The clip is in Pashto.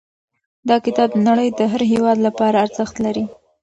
دا کتاب د نړۍ د هر هېواد لپاره ارزښت لري.